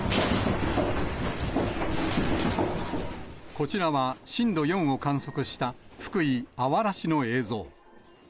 こちらは震度４を観測した福井・あわら市の映像。